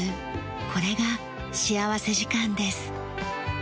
これが幸福時間です。